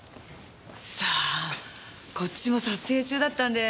さあこっちも撮影中だったんで。